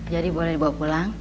jadi boleh dibawa pulang